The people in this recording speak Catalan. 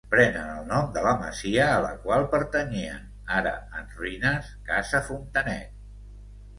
Prenen el nom de la masia a la qual pertanyien, ara en ruïnes, Casa Fontanet.